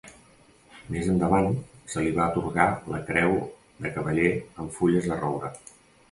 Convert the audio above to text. Més endavant se li va atorgar la Creu de Cavaller amb Fulles de Roure.